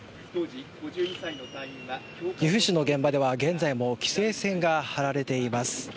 岐阜市の現場では現在も規制線が張られています。